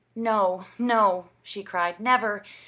"No, no," she cried; "never!